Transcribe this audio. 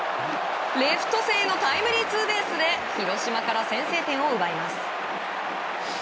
レフト線へのタイムリーツーベースで広島から先制点を奪います。